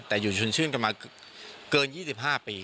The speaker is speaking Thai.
แต่อยู่ชุนชื่นกันมาเกิน๒๕ปี